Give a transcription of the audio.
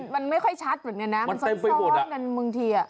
มันไม่ค่อยชัดเหมือนกันนะมันเต็มไปหมดอ่ะ